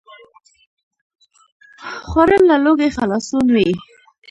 خوړل له لوږې خلاصون وي